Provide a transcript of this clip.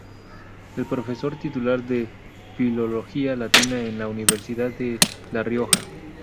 Es profesor titular de Filología Latina en la Universidad de La Rioja.